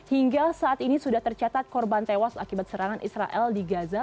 hingga saat ini sudah tercatat korban tewas akibat serangan israel di gaza